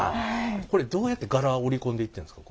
これどうやって柄織り込んでいってんですか？